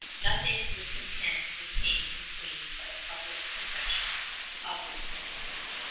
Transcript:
Nothing would content the King and Queen but a public confession of their sins.